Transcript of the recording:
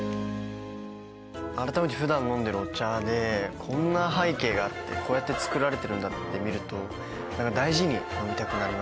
改めて普段飲んでるお茶でこんな背景があってこうやって作られているんだって見ると大事に飲みたくなりますね。